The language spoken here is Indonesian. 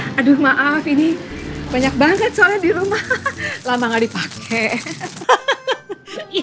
aduh maaf ini banyak banget soalnya di rumah lama gak dipakai